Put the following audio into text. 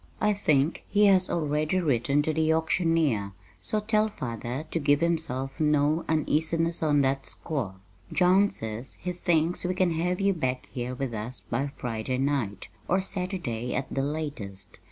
I think he has already written to the auctioneer, so tell father to give himself no uneasiness on that score. John says he thinks we can have you back here with us by Friday night, or Saturday at the latest.